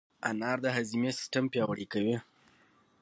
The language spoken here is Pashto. انار د هاضمې سیستم پیاوړی کوي.